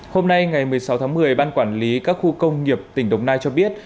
hôm nay ngày một mươi sáu tháng một mươi ban quản lý các khu công nghiệp tỉnh đồng nai cho biết